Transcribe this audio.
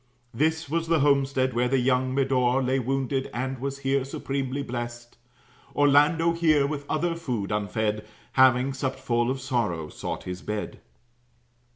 This was the homestead where the young Medore Lay wounded, and was here supremely blest. Orlando here, with other food unfed, Having supt full of sorrow, sought his bed.